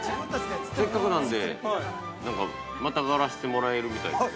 ◆せっかくなんでまたがらせてもらえるみたいですよ。